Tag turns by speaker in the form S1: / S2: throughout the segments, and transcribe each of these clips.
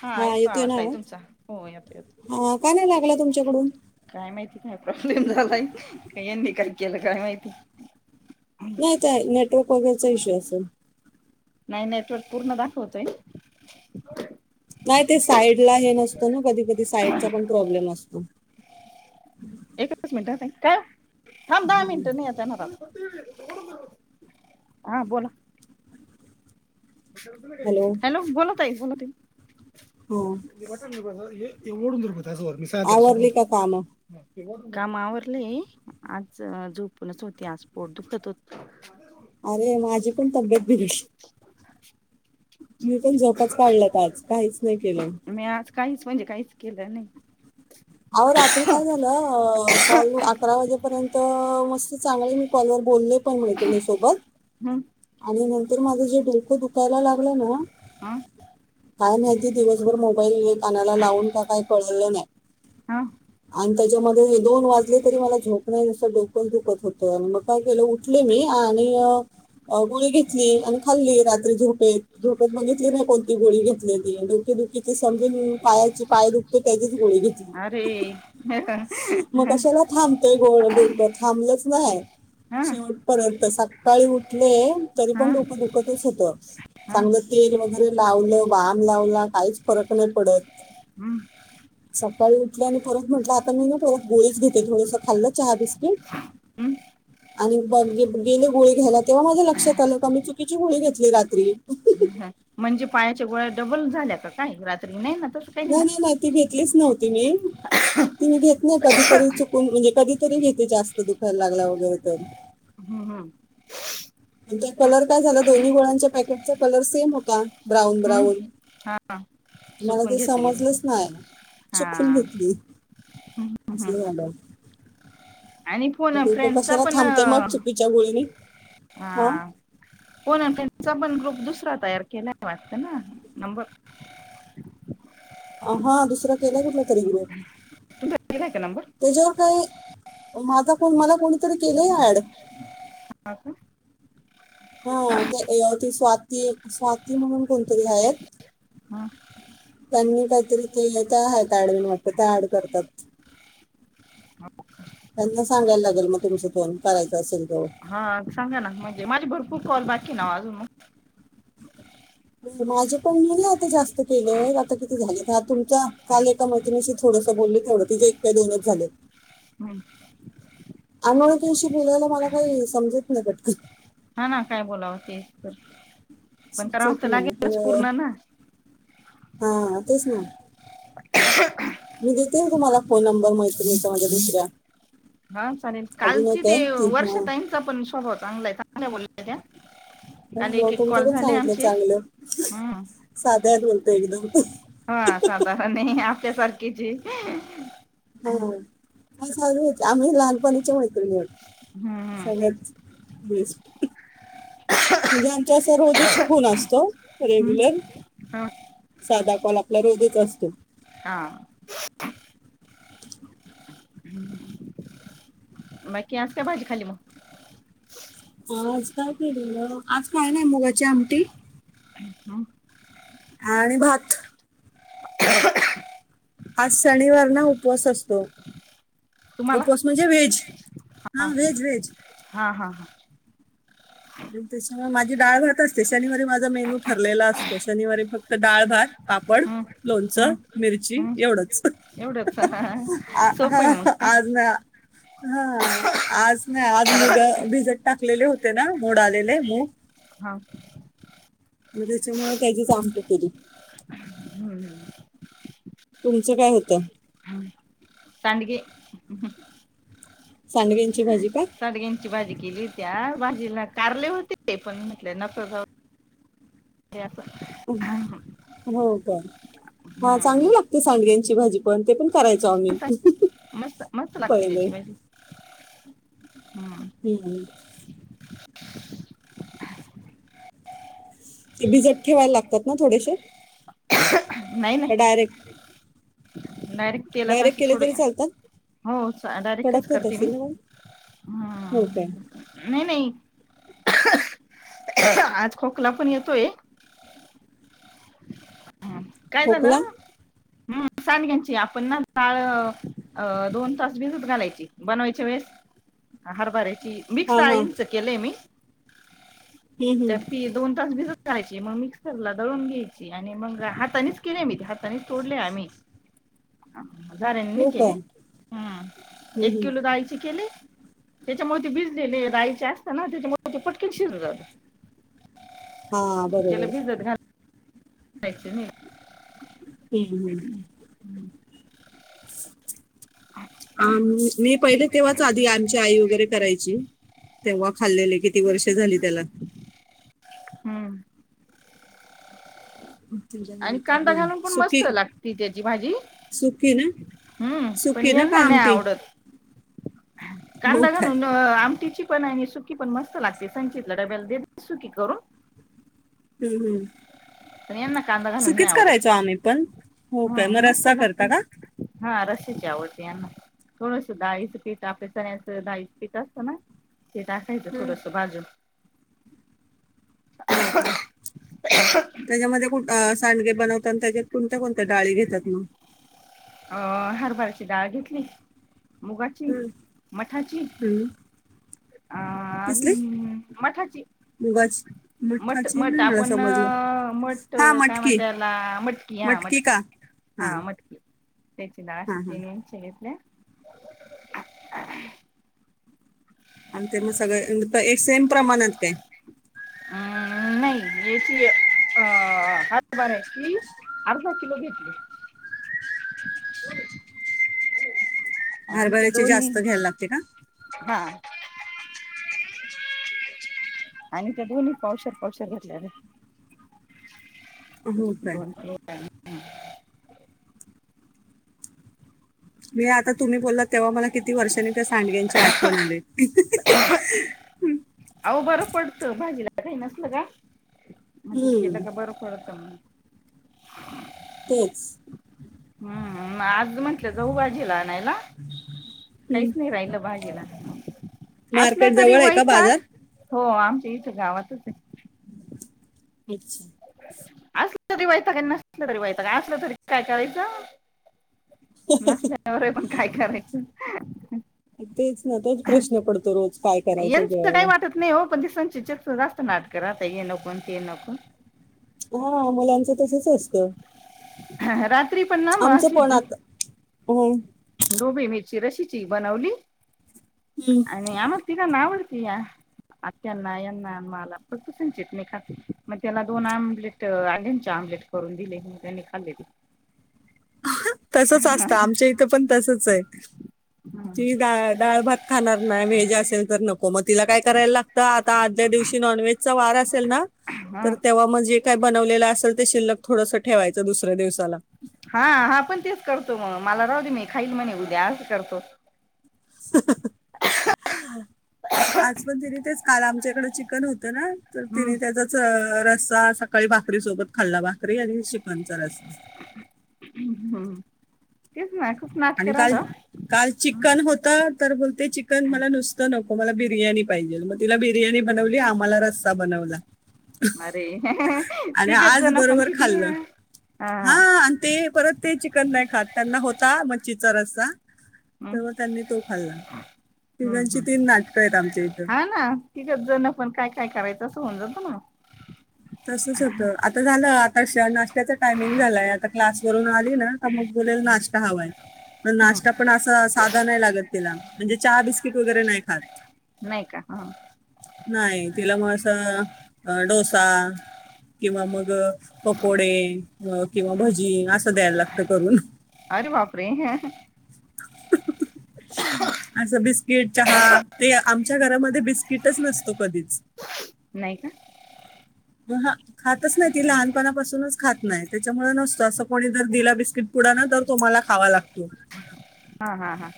S1: हा, येतो आवाज ताई तुमचा, हो येतो येतो,
S2: हा का नाही लागला तुमच्याकडून
S1: काय माहिती काय प्रॉब्लेम झालाय का यांनी काही केला काय माहिती?
S2: नाही ताई नेटवर्क वगैरेचा इश्यू असेल.
S1: नाही नाही तोच पूर्ण दाखवतोय.
S2: नाही ते साईड ला हे नसतो ना कधी कधी साईडचा पण प्रॉब्लेम असतो.
S1: एकच मिनिट अ ताई, काय ओ? थांब, दहा मिनटं, ने आता नाका हा बोला. हॅलो, बोला ताई, बोला ताई. [unintelligible] ते ओढून [unintelligible]
S2: हा आवरली का काम
S1: [unintelligible] काम आवरली, आज झोपूनच होती आज पोट दुखत होतं.
S2: अरे माझी पण तब्येत [unintelligible]
S1: [inaudible]
S2: मी पण झोपाच काढल्यात आज काहीच नाही केलंय.
S1: मी आज काहीच म्हणजे काहीच केलं नाही.
S2: आवं रात्री काय झालं, अ कॉल अकरा वाजेपर्यंत अ मस्त चांगले मी कॉलवर बोलले. पण मैत्रिणीसोबत.
S1: हं
S2: आणि नंतर माझं जे डोकं दुखायला लागलं ना.
S1: हा
S2: काय माहिती दिवसभर मोबाईल कानाला लावून का काय कळलं नाही.
S1: हा
S2: आणि त्याच्यामध्ये हे दोन वाजले तरी मला झोप नाही असं डोक पण दुखत होतं आणि मग काय केलं उठले मी आणि अ अ गोळी घेतली आणि खाल्ली रात्री झोप ते झोपेत बघितली नाही कोणती गोळी घेतले ती, डोके दुखीची समजून पायाची पाय दुखतो त्याची गोळी घेतली.
S1: अरे हा
S2: मग कशाला थांबतोय गोळ घेऊन पण थांबलच नाही,
S1: हा
S2: शेवटपर्यंत सा काळी उठ नाही तरी
S1: हा
S2: पण डोक दुखतच होत
S1: हम्म
S2: चांगलं तेल वगैरे लावल. बाम लावला काहीच फरक नाही पडत.
S1: हम्म
S2: सकाळी उठले आणि परत म्हटलं आता मी ना परत गोळीच घेते थोडस खाल्लं चहा बिस्किट
S1: हम्म
S2: आणि ब गेले गोळे घ्यायला तेव्हा माझ्या लक्षात आलं का मी चुकीची गोळी घेतली रात्री.
S1: ह म्हणजे पायाच्या गोळ्या डबल झाल्या का काही रात्री नाही ना. तसं काही नाही ना
S2: गोळी [unintelligible] ती भेेटलीच नव्हती त् तुम्ही घेत ना कधीतरी चुकून म्हणजे कधीतरी घेते जास्त दुखायला लागला वगैरे तर
S1: हम्म हम्म
S2: आ त्या कलर काय झाला दोन्ही गोळ्यांच्या पॅकेटचा कलर सेम होता ब्राऊन
S1: हम्म
S2: ब्राऊन
S1: हा
S2: मला
S1: चुकून
S2: ते
S1: घेतली गेली
S2: समजलंच नाही
S1: हा
S2: चुकून घेतली
S1: हम्म
S2: असं झालं.
S1: आणि फोन अ
S2: [unintelligible]
S1: फ्रेंडचा
S2: कशाला
S1: पण
S2: थांबते मग चुकीच्या गोळीनी
S1: हा फोन अ फ्रेंडचा ग्रुप दुसरा तयार केला वाटत ना नंबर
S2: हा दुसरा केलाय कुठलातरी ग्रुप
S1: तुमचा दिलाय का नंबर
S2: त्याच्यावर काही माझा कोण मला कोणीतरी केलंय ऍड.
S1: हा का
S2: हा ते ती स्वा ती स्वाती ती म्हणून कोणतरी आहेत.
S1: हा
S2: त्यांनी काहीतरी ते का आहेत एडमिन वाटत ते ऍड करतात त्यांना सांगायला लागेल मग तुमचा फोन करायचा असेल जवळ
S1: हा सांगा ना म्हणजे माझे भरपूर कॉल बाकी नाओ अजून म
S2: माझ्या पण नाही आता जास्त. केले आता किती झाले. तुमचा काल एका मैत्रिणीशी थोडंसं बोलले तेवढं, तिचे एक काय दोनच झालेत.
S1: हम्म
S2: अनोळखींशी बोलायला मला काही समजत नाही पटकन.
S1: हा ना काय बोलावं तेच तर.
S2: च
S1: पण करावं तर
S2: ना
S1: लागेलच पूर्ण ना
S2: हा तेच ना मी देेते तुम्हाला फोन नंबर मैत्रिणीचा. तुम्हाला दुसऱ्या.
S1: हा चालेल
S2: अजून
S1: कालची
S2: एक आहे
S1: ते
S2: की हा
S1: वर्षा ताईंचा पण स्वभाव चांगला आहे चांगल बोलल्या. [unintelligible]
S2: हो
S1: काल
S2: म
S1: एक एक
S2: तुमचं
S1: कॉल
S2: पण
S1: झाले
S2: सांगितलं
S1: आमचे
S2: चांगलं
S1: हम्म
S2: साध्यात बोलत एकदम.
S1: त्यासारखीची.
S2: हम्म ह चालू होते आम्ही लहानपणाची मैत्रिणी होते.
S1: हम्म
S2: सगळ्यात बेस्ट म्हणजे आमच्या असा रोजच फोन असतो
S1: हम्म
S2: रेग्युलर
S1: ह
S2: साधा. पण आपला रोजच असतो.
S1: हा. बाकी असते भाजी खाल्ली मग?
S2: आज काय केलेल? आज काय ना मुगाची आमटी.
S1: अम् हम.
S2: आणि भात.
S1: [unintelligible]
S2: आज शनिवारना उपवास असतो.
S1: तुम्हाला
S2: उपवास म्हणजे व्हेज हा व्हेज व्हेज.
S1: हा हा
S2: आणि त्याच्यामुळे माझी डाळ भात असते शानीवारी. माझा मेनू ठरलेला असतो शनिवारी फक्त तर डाळ भात. पापड,
S1: हम्म
S2: लोणचं,
S1: हम्म
S2: मिरची,
S1: हम्म
S2: एवढच
S1: एवढंच सोपं आहे मग काय
S2: आज ना हं आज नाही आज मुग भिजत टाकलेले होते. हो ना. मोड आलेले मूग.
S1: हां.
S2: मग त्याच्यामुळे त्याचीच आमटी केली.
S1: हम्म ह.
S2: तुमचं काय होतं?
S1: सांडगे.
S2: सांडगे.
S1: साडग्यांची भाजी केली. त्या भाजीला कारले होते पण म्हटलेय नको राहू. ते.
S2: हम्म हो काय हा चांगली लागते सांडगे. भाजी पण ते पण करायचो आम्ही.
S1: मस्त मस्त लागते
S2: पहिले
S1: त्याची भाजी. हम्म
S2: [unintelligible] ते भिजत ठेवायला लागतात ना थोडेसे. डायरेक
S1: डायरेक तेलात असे थोडे
S2: तरी चालतात
S1: हो चा डायरेकच
S2: कडक होत
S1: करते मी
S2: असेल ना मग
S1: ह
S2: हो काय
S1: नाही नाही आज खोकला पण येतोय. हम्म काय
S2: खोकला
S1: झालं. हम सांडग्यांची आपण ना डाळ अ दोन तास भिजत घालायची बनवायच्या वेळेस हारभरे. मिक्स
S2: हा हा
S1: दाळींच केलंय मी.
S2: हम्म,
S1: त
S2: हम्म,
S1: पी दोन तास भिजत मग मिक्सरला दळून घ्यायची आणि मग हात हातानीच केले मी ते हातानीच तोडले आम्ही. झाऱ्याने नाही
S2: हो काय
S1: केले. हम्म
S2: हम्म,
S1: एक
S2: हम्म,
S1: किलो दाळीचे केले. त्याच्यामुळे ते भिजलेले दाळीचे असता ना त्याच्यामुळे ते पटकन शिजुन जाता.
S2: हा बरोबर
S1: खायच नही.
S2: हम्म,
S1: [unintelligible]
S2: [inaudible] आ मी मी पहिले तेव्हाच आधी आमची आई वगैरे करायची. तेव्हा खाल्लेले किती वर्ष झाली त्याला.
S1: हम्म
S2: [inaudible]
S1: आणि कांदा
S2: नाही.
S1: घालून पण मस्त
S2: सुकी
S1: लागते त्याची भाजी
S2: सुकी ना
S1: हम्म पण
S2: सुकी ना
S1: यांना
S2: का
S1: नाही
S2: आमटी
S1: आवडत.
S2: हो
S1: कांदा
S2: काय
S1: घालून आम तिची पण आणि सुकी पण मस्त लागते संचितला डब्याला दे सुकी करून.
S2: हम्म
S1: पण यांना कांदा घालून नाही
S2: सुकीच
S1: आवडत
S2: करायचो आम्ही पण हो
S1: ह
S2: काय म
S1: मस्त
S2: रसा
S1: लागते
S2: करता का?
S1: हा रश्याची आवड यांना थोडंस दाळीच पीठ आपल्या चण्याच दडाळीच पीठ असतं ना. ते टाकायचं
S2: हम्म.
S1: थोडसं भाजून
S2: हा त्याच्यामध्ये सांडगे बनवतात आणि त्याच्यात कोणत्या कोणत्या डाळी घेतात मग
S1: हारबराची डाळ घेतली मुगाची मठाची
S2: हम्म.
S1: अ
S2: किसली
S1: अजून मठाची
S2: मुगाची
S1: मठ
S2: मठाची
S1: मठ
S2: नाही मला
S1: आपण
S2: समजलं
S1: मठ
S2: हा
S1: काय
S2: मटकी
S1: म्हणतला मटकी हा मटकी हा मटकी तेच ना आ
S2: हा हा
S1: असतनच [unintelligible]
S2: आणि ते मग सगळे एक सेम प्रमाणात काय?
S1: अम् नाही याची अ हरबराची अर्धा किलो घेतली आणि त्या
S2: हरबारीची जास्त घ्यायला लागते का
S1: ह आणि त्या दोन्ही पावशात पावशात घेतल्या
S2: हो काय
S1: बनलो हम्
S2: मी आता तुम्ही बोलला तेव्हा मला किती वर्षांनी त्या सांडग्यांची आठवण आले हम्
S1: अह बरं पडतं भाजीला काही नसल का मजे
S2: हम्म,
S1: केलं का बरं पडत म ह
S2: तेच
S1: हम्म आज म्हंटलं जाऊबाजीला आणयला
S2: हम्म.
S1: कैस नाहीरा इल बाजला ह असलं
S2: मार्केट
S1: तरी
S2: जवळ आहे का
S1: वयच
S2: बाजार
S1: हो आ ते इथं गावातच आहे
S2: अच्छा
S1: असलं तरी व्हाचं का नसलं तरी व्हाच का असलं तरी काय करायचं नसल्यावर पण काय करायचं ह
S2: तेच ना तोच प्रश्न पडतो रोज काय करायचा जेवायला
S1: शक जास्त नाटक आता ये नको ते नको
S2: हा मुलांच तसच
S1: ह रात्री पण ना
S2: आमचं
S1: माशीि
S2: पण आता हो
S1: डोबी मिरची रशीची बनवली
S2: हम्म.
S1: आणि [unintelligible] या आत्यांना यांना माला फक्त संचित नाही खात मग त्याला दोन आमलेट अंड्याचे आमलेट करून दिले मग त्यांनी खाल्ले ते.
S2: तसच असतं आमच्या इथं पण तसच आहे ती डाळ भात खाणार नाय व्हेज असेल तर नको मग तिला काय करायला लागतं आता आदल्या दिवशी नॉनव्हेजचा वार असेल ना
S1: हा
S2: तर तेव्हा मग जे काय बनवलेलं असेल ते शिल्लक थोडस ठेवायचं दुसऱ्या दिवसाला.
S1: हा हा पण करतो मग मला राहूदे खाईल म्हणे उद्याच करतो.
S2: आज पण तिनी तेच काल आमच्याकडं चिकन होत. ना तर
S1: हम्म
S2: तिने त्याचाच. रस्सा सकाळी भाकरी सोबत खाल्ला भाकरी आणि चिकनचा रस्सा
S1: हम्म हम्म तेच ना. खूप नाटक
S2: आणि काल-
S1: राहता.
S2: काल चिकन होत तर बोलते चिकन मला नुसतं न को. मला बिर्याणी पाहिजे मग तिला बि र्याणी बनवली. आम्हाला रस्सा बनवला
S1: अरे
S2: आणि
S1: तिघच
S2: आज
S1: जण पण
S2: बरोबर
S1: किती हे.
S2: खाल्लं
S1: हा
S2: हा ते परत ते चिकन नाही खात त्यांना होता चा रस्सा-
S1: हम्म
S2: तेव्हा त्यांनी तो खाल्ला
S1: -हम्म-
S2: तिघांची
S1: हम्म
S2: तीन नाटकं आहेत आमच्या इथं
S1: हा ना तिग जण पण काय काय करायचं असं होऊन जातं ना.
S2: तसच होत आता झालं तशा नाश्त्याच टायमिंग झालाय आता क्लासवरून आली ना तर मग बोलेल नाश्ता हवाय. मण नाश्ता
S1: हम्म
S2: पण असा साधा नाही लागत तिला म्हणजे चहा बिस्किट वगैरे नाही खात.
S1: नाही का ह
S2: नाही तिला म असं. अ डोसा ता किंवा मग पकोडे, किंवा
S1: हम्
S2: भजी असं द्यायला लागत करून.
S1: अरे बापरे!
S2: अस बिस्किट चहा ते आमच्या घरामध्ये बिस्किटच नसतो कधीच.
S1: नाही का?
S2: म ह खातच नाही ती लहानपणापासूनच खात नाही त्याच्यामुळे नसत असं कोणी जर दिला बिस्किट पुडा ना तर तो मला खावा लागतो.
S1: हा हा हा.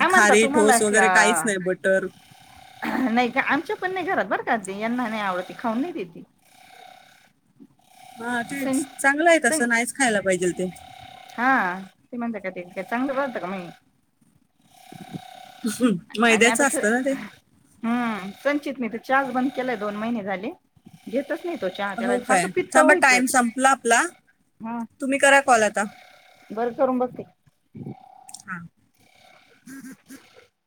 S1: का म्हणता
S2: खारी
S1: तुम्हाला
S2: ठोस
S1: कि
S2: वगैरे काहीच नाही बटर
S1: नाही का आमच्या पण नाही घरात. बर का यांना नाही आवडती खाऊन नाही देती.
S2: हा तेच चांगलं आहे
S1: सं
S2: तसं नाहीच खायला पाहिजे ते.
S1: हा [unintelligible] का चांगलं बनत का मै
S2: हम्म मैद्याचं असतं ना ते?
S1: हम्म संचित नी त चहाच बंद केलाय, दोन महिने झाले घेतच नाही. तो चहा त्याला
S2: हो
S1: सारखं
S2: काय
S1: पित्त
S2: थांबा
S1: व्हायचं
S2: टाइम संप पला आपला
S1: हा
S2: तुम्ही करा कॉल आता.
S1: बरं करून बघते
S2: हा. [inaudible]
S1: [inaudible]